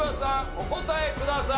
お答えください。